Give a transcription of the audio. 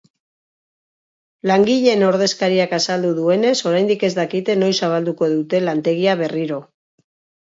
Langileen ordezkariak azaldu duenez, oraindik ez dakite noiz zabalduko dute lantegia berriro.